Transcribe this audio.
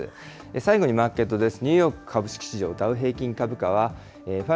最後にマーケットです。